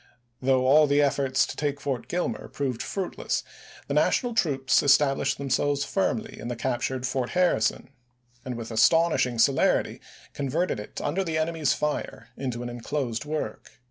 Though all efforts to take Fort Gilmer proved fruitless, the National troops established themselves firmly in the captured Fort 432 ABRAHAM LINCOLN ch. xviil Harrison and with astonishing celerity converted it under the enemy's fire into an inclosed work.